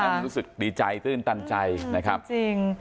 มันรู้สึกดีใจตื่นตันใจนะครับจริงจริง